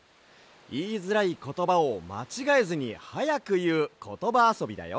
いいづらいことばをまちがえずにはやくいうことばあそびだよ。